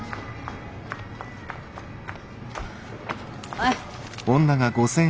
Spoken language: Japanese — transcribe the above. はい。